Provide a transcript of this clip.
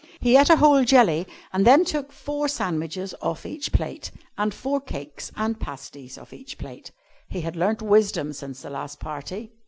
He ate a whole jelly, and then took four sandwiches off each plate, and four cakes and pasties off each plate. He had learnt wisdom since the last party.